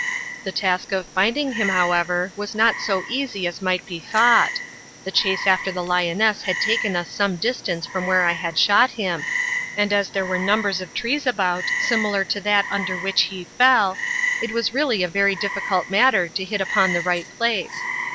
The task of finding him, however, was not so easy as might be thought; the chase after the lioness had taken us some distance from where I had shot him, and as there were numbers of trees about similar to that under which he fell, it was really a very difficult matter to hit upon the right place.